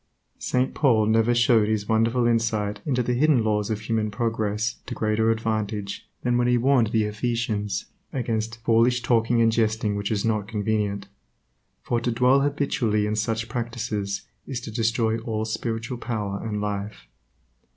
St. Paul never showed his wonderful insight into the hidden laws of human progress to greater advantage than when he warned the Ephesians against "Foolish talking and jesting which is not convenient," for to dwell habitually in such practices is to destroy all spiritual power and life.